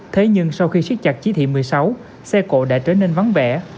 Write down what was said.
thế nhưng sau khi siết chặt chỉ thị một mươi sáu xe cộ đã trở nên vắng vẻ